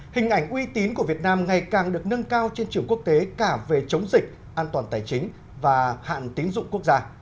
hình ảnh uy tín của việt nam ngày càng được nâng cao trên trường quốc tế cả về chống dịch an toàn tài chính và hạn tín dụng quốc gia